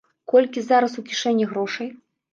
Колькі зараз у кішэні грошай?